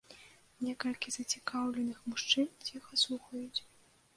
Некалькі зацікаўленых мужчын ціха слухаюць.